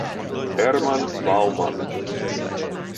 Hermann Baumann